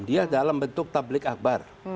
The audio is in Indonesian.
dia dalam bentuk tablik akbar